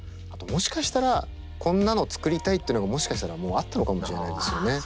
あともしかしたらこんなの作りたいというのがもしかしたらもうあったのかもしれないですよね。